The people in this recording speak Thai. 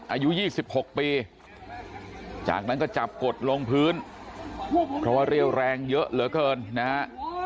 อายุ๒๖ปีจากนั้นก็จับกดลงพื้นเพราะว่าเรี่ยวแรงเยอะเหลือเกินนะฮะ